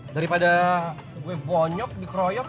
daripada gue bonyok dikeroyok